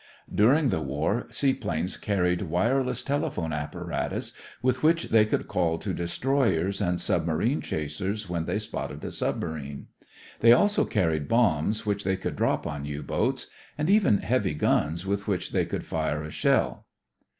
During the war seaplanes carried wireless telephone apparatus with which they could call to destroyers and submarine chasers when they spotted a submarine. They also carried bombs which they could drop on U boats, and even heavy guns with which they could fire shell.